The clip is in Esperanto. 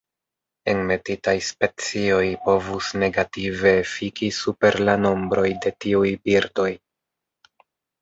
Enmetitaj specioj povus negative efiki super la nombroj de tiuj birdoj.